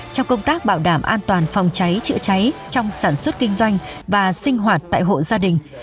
trong công tác bảo đảm an toàn phòng cháy chữa cháy trong sản xuất kinh doanh và sinh hoạt tại hộ gia đình